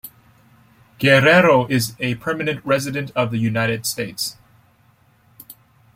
Guerrero is a permanent resident of the United States.